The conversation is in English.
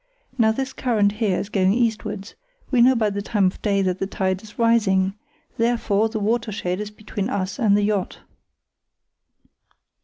Now this current here is going eastwards; we know by the time of day that the tide's rising, therefore the watershed is between us and the yacht."